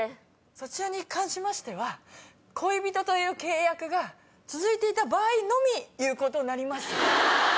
そちらに関しましては恋人という契約が続いていた場合のみ有効となります。